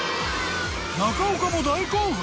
［中岡も大興奮］